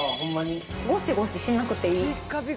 ゴシゴシしなくていい。